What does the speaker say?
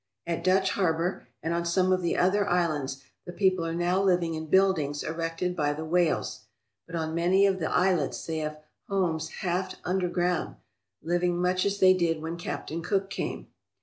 At Dutch Harbour and on some of the other islands the people are now living in buildings erected by the whites, but on many of the islets they have homes half underground, living much as they did when Captain Cook came.